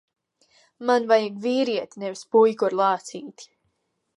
Man vajag vīrieti, nevis puiku ar lācīti.